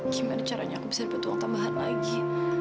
gimana caranya aku bisa dapat uang tambahan lagi